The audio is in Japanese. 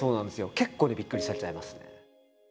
結構ねびっくりされちゃいますね。